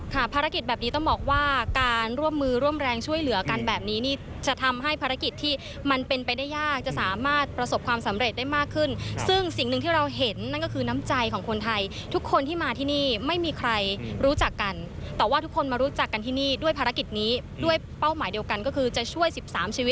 ภารกิจแบบนี้ต้องบอกว่าการร่วมมือร่วมแรงช่วยเหลือกันแบบนี้นี่จะทำให้ภารกิจที่มันเป็นไปได้ยากจะสามารถประสบความสำเร็จได้มากขึ้นซึ่งสิ่งหนึ่งที่เราเห็นนั่นก็คือน้ำใจของคนไทยทุกคนที่มาที่นี่ไม่มีใครรู้จักกันแต่ว่าทุกคนมารู้จักกันที่นี่ด้วยภารกิจนี้ด้วยเป้าหมายเดียวกันก็คือจะช่วย๑๓ชีวิต